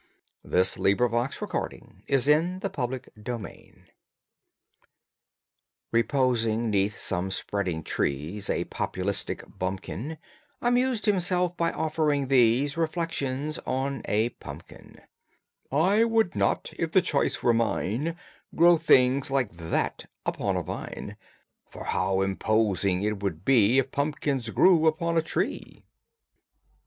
THE ICONOCLASTIC RUSTIC AND THE APROPOS ACORN Reposing 'neath some spreading trees, A populistic bumpkin Amused himself by offering these Reflections on a pumpkin: "I would not, if the choice were mine, Grow things like that upon a vine, For how imposing it would be If pumpkins grew upon a tree."